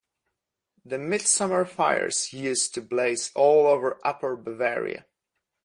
The midsummer fires used to blaze all over Upper Bavaria.